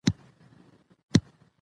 پاک ژوند د روغتیا تضمین کوي.